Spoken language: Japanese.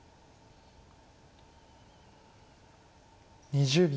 ２０秒。